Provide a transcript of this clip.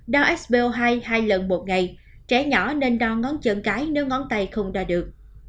đau xo hai hai lần một ngày trẻ nhỏ nên đo ngón chân cái nếu ngón tay không đo được